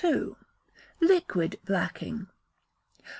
Liquid Blacking.